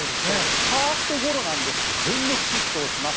ファーストゴロなんですが全力疾走します。